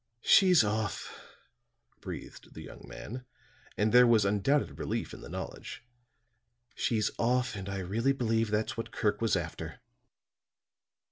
"She's off," breathed the young man, and there was undoubted relief in the knowledge. "She's off, and I really believe that's what Kirk was after."